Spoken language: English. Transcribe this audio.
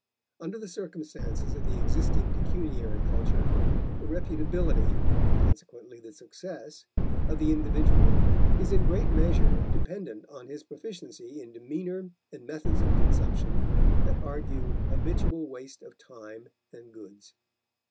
Under the circumstances of the existing pecuniary culture, the reputability, and consequently the success, of the individual is in great measure dependent on his proficiency in demeanor and methods of consumption that argue habitual waste of time and goods.